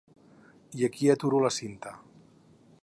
I aquí aturo la cinta.